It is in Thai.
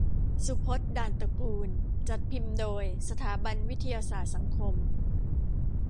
สุพจน์ ด่านตระกูล จัดพิมพ์โดย สถาบันวิทยาศาสตร์สังคม